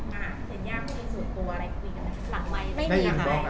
เห็นยากไม่มีส่วนตัวอะไรคุยกันหลังไว้